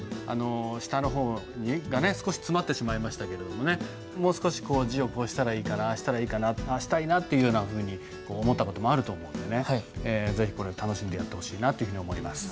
下の方がね少し詰まってしまいましたけれどももう少し字をこうしたらいいかなああしたらいいかなああしたいなというようなふうに思った事もあると思うんでね是非これを楽しんでやってほしいなというふうに思います。